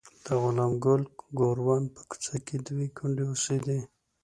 د غلام ګل ګوروان په کوڅه کې دوې کونډې اوسېدې.